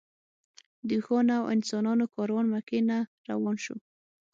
د اوښانو او انسانانو کاروان مکې نه روان شو.